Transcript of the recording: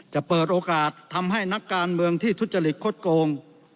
จะเปิดโอกาสทำให้นักการเมืองที่ทุจริตคดโกง